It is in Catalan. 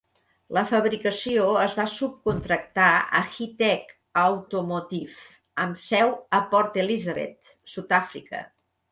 La fabricació es va subcontractar a Hi-Tech Automotive, amb seu a Port Elizabeth, Sud-àfrica.